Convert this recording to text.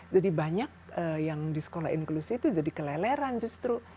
jadi banyak yang di sekolah inklusi itu jadi keleleran justru